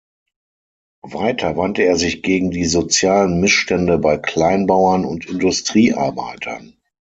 Weiter wandte er sich gegen die sozialen Missstände bei Kleinbauern und Industriearbeitern.